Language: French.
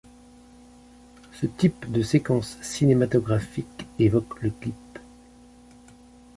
Ce type de séquence cinématographique évoque le clip.